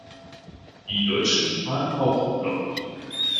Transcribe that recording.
Die Deutschen waren auch blond.